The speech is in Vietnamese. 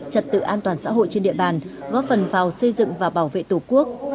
trật tự an toàn xã hội trên địa bàn góp phần vào xây dựng và bảo vệ tổ quốc